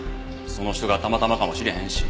その人がたまたまかもしれへんし。